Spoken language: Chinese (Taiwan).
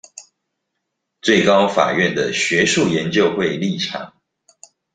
最高法院的學術研究會立場